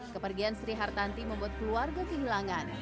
kepergian sri hartanti membuat keluarga kehilangan